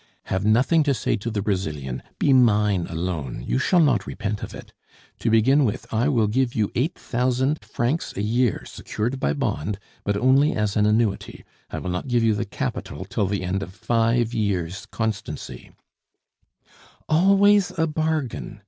"Have nothing to say to the Brazilian, be mine alone; you shall not repent of it. To begin with, I will give you eight thousand francs a year, secured by bond, but only as an annuity; I will not give you the capital till the end of five years' constancy " "Always a bargain!